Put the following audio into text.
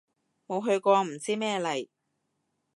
冇去過唔知咩嚟